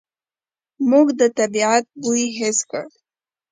موږ د طبعیت بوی حس کړ.